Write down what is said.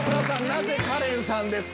なぜカレンさんですか？